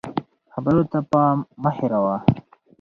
خبرو ته پام مه هېروه